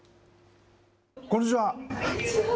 こんにちは。